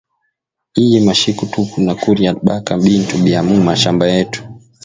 Iyi mashiku tuku na kuria baka bintu bia mu mashamba yetu